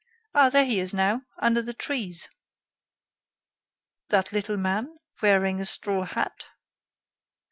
Ah, there he is now, under the trees." "That little man, wearing a straw hat?"